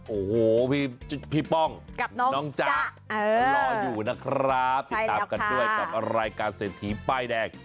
โอ้โหพี่ป้องกับน้องจ๊ะรออยู่นะครับติดตามกันด้วยกับรายการเศรษฐีป้ายแดง